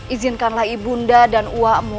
izinkanlah ibunda dan uwamu